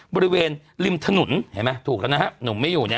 บริเวณริมถนนเห็นไหมถูกแล้วนะฮะหนุ่มไม่อยู่เนี่ย